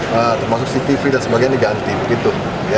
termasuk si tv dan sebagainya diganti begitu